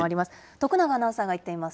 徳永アナウンサーが行っています。